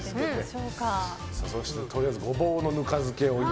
そしてとりあえずゴボウのぬか漬けを。